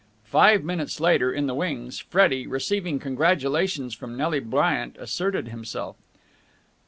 Five minutes later, in the wings, Freddie, receiving congratulations from Nelly Bryant, asserted himself.